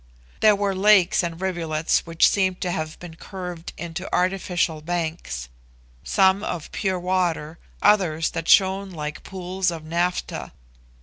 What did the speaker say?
There were lakes and rivulets which seemed to have been curved into artificial banks; some of pure water, others that shone like pools of naphtha.